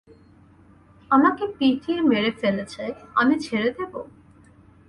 আমাকে পিটিয়ে মেরে ফেলেছে, আমি ছেড়ে দেব?